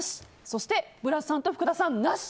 そして、ブラスさんと福田さん、なし。